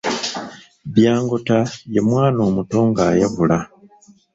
Byangota ye mwana omuto ng’ayavula.